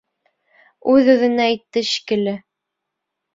Үҙ-үҙенә әйтте шикелле.